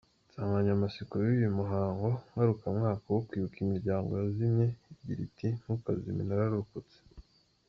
Insanganyamatsiko y’uyu muhango ngarukamwaka wo kwibuka imiryango yazimye igira iti “Ntukazime Nararokotse”.